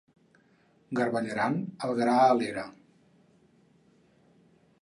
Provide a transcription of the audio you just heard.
Garbellaran el gra a l'era.